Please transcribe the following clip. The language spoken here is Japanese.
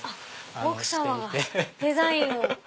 奥さまがデザインを。